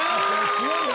強いな！